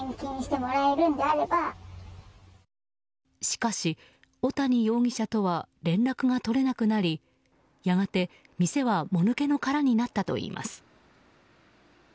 しかし、小谷容疑者とは連絡が取れなくなりやがて、店はもぬけの殻になったといいます。